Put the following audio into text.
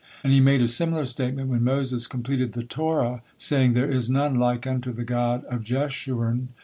and he made a similar statement when Moses completed the Torah, saying: "There is none like unto the God of Jeshurun."